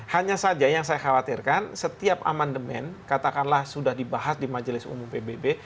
hanya saja yang saya khawatirkan setiap amandemen katakanlah sudah dibahas di majelis umum pbb